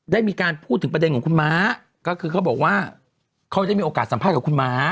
ได้มีการพูดถึงประเด็นของคุณม้าก็คือเขาบอกว่าเขาได้มีโอกาสสัมภาษณ์กับคุณม้า